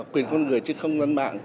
quyền con người trên không gian mạng